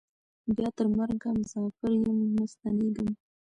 بیا تر مرګه مساپر یم نه ستنېږم